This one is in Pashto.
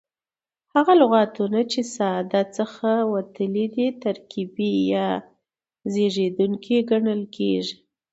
هغه لغتونه، چي د ساده څخه وتلي دي ترکیبي یا زېږېدونکي کڼل کیږي.